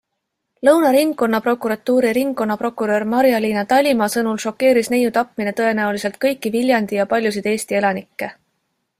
Lõuna Ringkonnaprokuratuuri ringkonnaprokurör Marja-Liina Talimaa sõnul šokeeris neiu tapmine tõenäoliselt kõiki Viljandi ja paljusid Eesti elanikke.